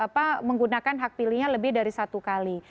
membiarkan orang menggunakan hak pilihnya lebih dari satu kali